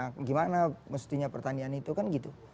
karena mestinya pertanian itu kan gitu